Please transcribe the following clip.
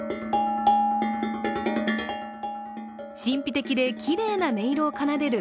神秘的できれいな音色を奏でる